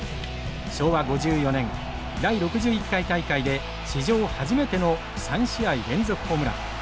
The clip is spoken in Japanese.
昭和５４年第６１回大会で史上初めての３試合連続ホームラン。